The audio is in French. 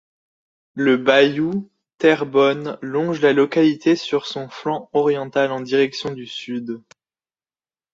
Le bayou Terrebonne longe la localité sur son flanc oriental en direction du Sud.